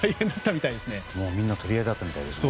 みんな取り合いだったみたいですね。